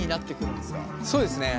そうですね。